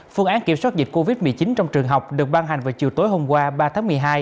phương án kiểm soát dịch covid một mươi chín trong trường học được ban hành vào chiều tối hôm qua ba tháng một mươi hai